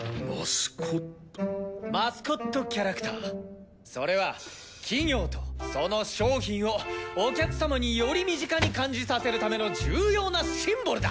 マスコットキャラクターそれは企業とその商品をお客様により身近に感じさせるための重要なシンボルだ！